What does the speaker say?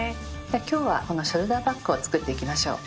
今日はこのショルダーバッグを作っていきましょう。